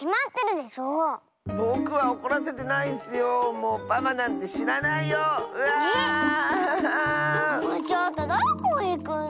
もうちょっとどこいくの！